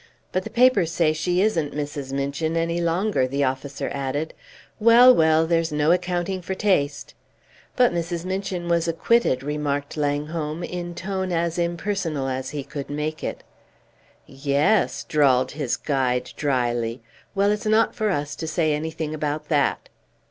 "But the papers say she isn't Mrs. Minchin any longer," the officer added. "Well, well! There's no accounting for taste." "But Mrs. Minchin was acquitted," remarked Langholm, in tone as impersonal as he could make it. "Ye es," drawled his guide, dryly. "Well, it's not for us to say anything about that."